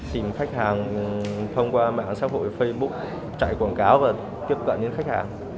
tìm khách hàng thông qua mạng xã hội facebook trải quảng cáo và tiếp cận đến khách hàng